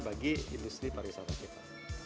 bagi industri pariwisata kita